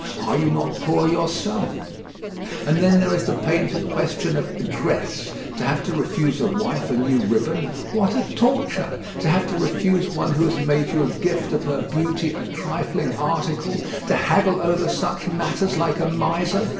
Are you not poor yourself? And then there is the painful question of dress. To have to refuse a wife a new ribbon, what a torture! To have to refuse one who has made you a gift of her beauty a trifling article; to haggle over such matters, like a miser!